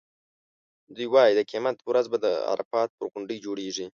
دوی وایي د قیامت ورځ به د عرفات پر غونډۍ جوړېږي.